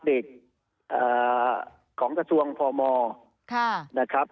เด็กของกระทรวงพมนะครับ